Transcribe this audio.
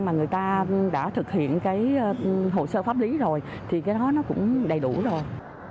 mà người ta đã thực hiện cái hồ sơ pháp lý rồi thì cái đó nó cũng đầy đủ rồi